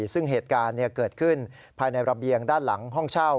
ซึ่งเหตุการณ์เกิดขึ้นภายในระเบียงด้านหลังห้องเช่า